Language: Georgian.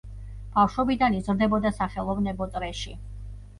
ბავშვობიდან იზრდებოდა სახელოვნებო წრეში.